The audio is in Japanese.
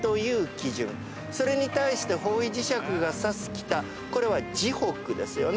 それに対して方位磁石が指す北これは磁北ですよね。